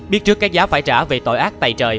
biết trước các giá phải trả về tội ác tài trời